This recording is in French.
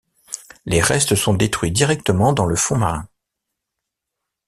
Les restes sont détruits directement dans le fond marin.